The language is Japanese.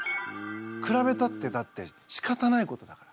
くらべたってだってしかたないことだから。